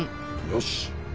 よし。